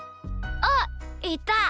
あっいた！